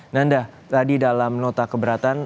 nanda tadi dalam nota keberatan